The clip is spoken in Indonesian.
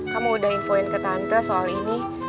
kamu udah infoin ke tante soal ini